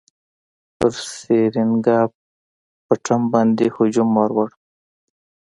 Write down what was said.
پر سرینګا پټم باندي هجوم ورووړ.